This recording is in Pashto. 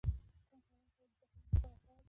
کوم حیواني سره د زعفرانو لپاره غوره ده؟